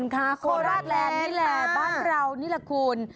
โคราชแลนด์นี่แหละบ้านเรานี่แหละคุณ